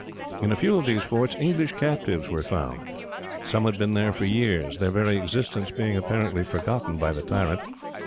In a few of these forts, English captives were found. Some had been there for years, their very existence being apparently forgotten by the tyrant.